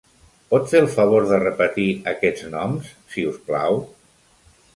Pot fer el favor de repetir aquests noms, si us plau?